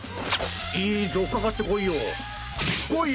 いいぞ、かかってこいよ！